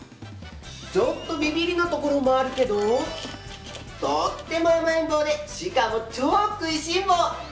ちょっとビビりなところもあるけどとっても甘えん坊でしかも、超食いしん坊！